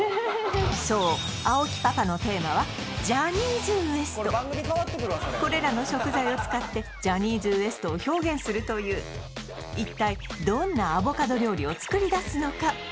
そう青木パパのこれらの食材を使ってジャニーズＷＥＳＴを表現するという一体どんなアボカド料理を作り出すのか？